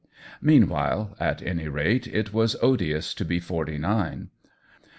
Meanwhile, at any rate, it was odious to be forty nine.